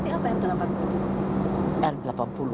atau seperti apa r delapan puluh